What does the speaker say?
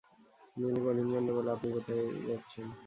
নীলু কঠিন কণ্ঠে বলল, আপনি যাচ্ছেন কোথায়?